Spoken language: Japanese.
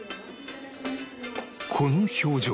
この表情